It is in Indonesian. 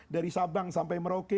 dari sabang sampai merauke